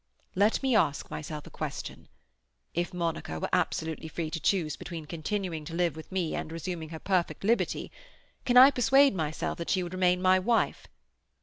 "Let me ask myself a question. If Monica were absolutely free to choose between continuing to live with me and resuming her perfect liberty, can I persuade myself that she would remain my wife?